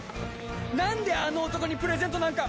何であの男にプレゼントなんか！